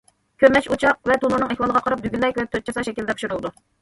كۆمەچ ئوچاق ۋە تونۇرنىڭ ئەھۋالىغا قاراپ، دۈگىلەك ۋە تۆت چاسا شەكىلدە پىشۇرۇلىدۇ.